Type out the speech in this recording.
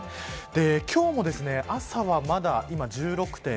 今日も朝はまだ今は１６．４度。